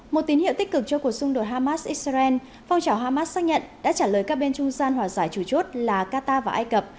một tín hiệu tích cực cho cuộc xung đột hamas israel phong trào hamas xác nhận đã trả lời các bên trung gian hòa giải chủ chốt là qatar và ai cập